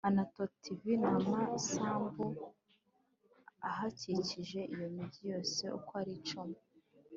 Anatoti v n amasambu ahakikije Iyo migi yose uko ari cumi